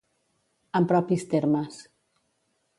En propis termes.